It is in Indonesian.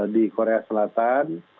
di korea selatan